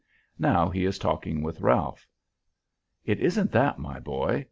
Now he is talking with Ralph. "It isn't that, my boy.